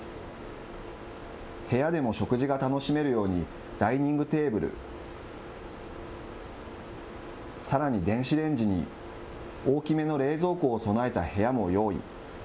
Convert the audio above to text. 部屋でも食事が楽しめるようにダイニングテーブル、さらに電子レンジに、大きめの冷蔵庫を備えた部屋も用意。